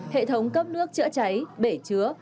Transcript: hệ thống cấp nước chữa cháy bể chứa